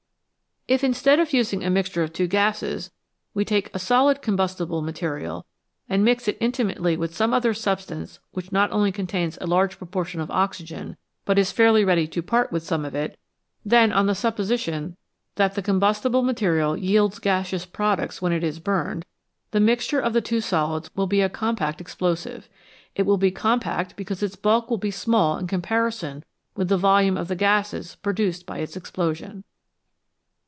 If instead of using a mixture of two gases we take a solid combustible material, and mix it intimately with some other substance which not only contains a large proportion of oxygen but is fairly ready to part with 170 I I & H S * jj x S W 2 3.| O 2 sa o 5 t 6 I D a Z a sf N 5f I EXPLOSIONS AND EXPLOSIVES some of it, then, on the supposition that the combustible material yields gaseous products when it is burned, the mixture of the two solids will be a compact explosive. It will be compact because its bulk will be small in com parison with the volume of the gases produced by its explosion.